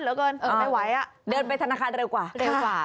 ไม่ไหวอ่ะเดินไปธนาคารเร็วกว่า